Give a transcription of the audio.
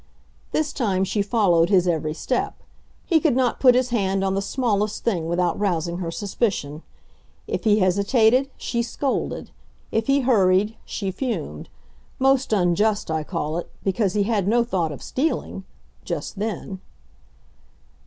This time she followed his every step. He could not put his hand on the smallest thing without rousing her suspicion. If he hesitated, she scolded. If he hurried, she fumed. Most unjust, I call it, because he had no thought of stealing just then.